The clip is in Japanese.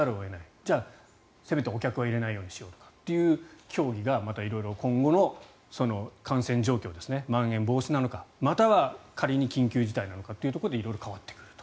じゃあ、せめて観客は入れないようにしようという競技がまん延防止なのかまたは仮に緊急事態なのかというところで色々変わってくると。